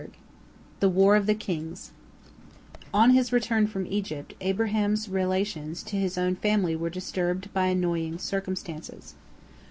THE WAR OF THE KINGS On his return from Egypt Abraham's relations to his own family were disturbed by annoying circumstances.